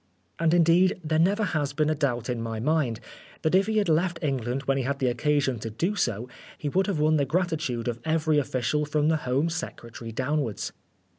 And indeed there never has been a doubt in my mind, that if he had left 150 Oscar Wilde England when he had the occasion to do so, he would have won the gratitude of every official, from the Home Secretary downwards.